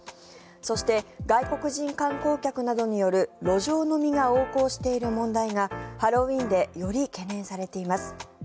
そして、外国人観光客などによる路上飲みが横行している問題がハロウィーンでより懸念されています。